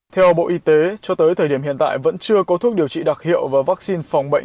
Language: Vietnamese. theo bộ y tế cho tới thời điểm hiện tại vẫn chưa có thuốc điều trị đặc hiệu và vaccine phòng bệnh